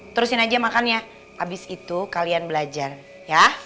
terusin aja makannya habis itu kalian belajar ya